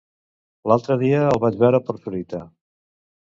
L'altre dia el vaig veure per Sorita.